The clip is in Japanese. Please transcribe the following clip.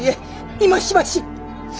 今しばし！